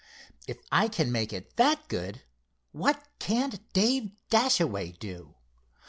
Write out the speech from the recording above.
"If I can make it that good, what can't Dave Dashaway do?"